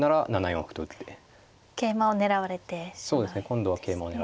今度は桂馬を狙って。